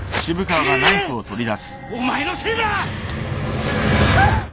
お前のせいだ！